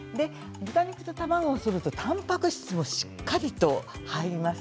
豚肉と卵をそろえるとたんぱく質もしっかりと入ります。